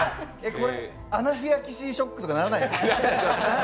これ、アナフィラキシーショックみたいにならないんですか。